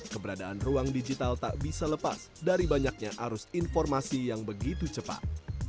keberadaan ruang digital tak bisa lepas dari banyaknya arus informasi yang begitu cepat